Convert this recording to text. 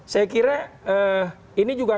saya kira ini juga